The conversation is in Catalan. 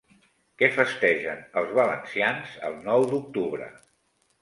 Què festegen els valencians el Nou d'Octubre?